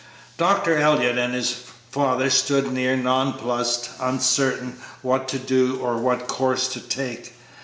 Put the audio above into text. Dr. Elliott and his father stood near, nonplussed, uncertain what to do or what course to take.